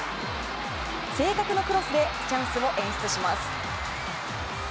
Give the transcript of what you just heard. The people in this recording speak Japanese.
正確なクロスでチャンスを演出します。